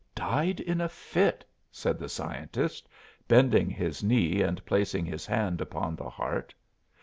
"Died in a fit," said the scientist, bending his knee and placing his hand upon the heart.